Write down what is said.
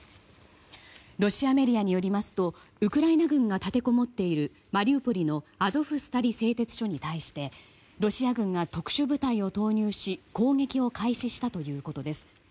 ロシアメディアによりますとウクライナ軍が立てこもっているマリウポリのアゾフスタリ製鉄所に対してロシア軍が特殊部隊を投入し攻撃を開始したということです。